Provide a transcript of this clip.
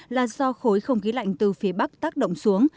là do khối không khí lạnh từ phía bắc tác động xuống